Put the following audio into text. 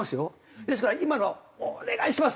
ですから今のはお願いします！